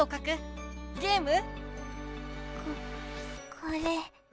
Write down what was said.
ここれ。